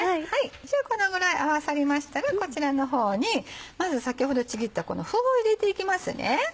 じゃあこのぐらい合わさりましたらこちらの方にまず先ほどちぎったこの麩を入れていきますね。